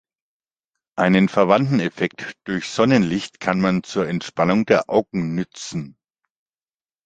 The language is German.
Einen verwandten Effekt durch Sonnenlicht kann man zur Entspannung der Augen nützen.